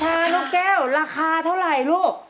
นกแก้วราคาเท่าไหร่ลูก